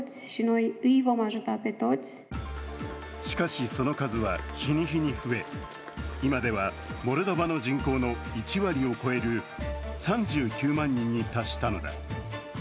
しかし、その数は日に日に増え、今ではモルドバの人口の１割を超える３９万人に達したのだ。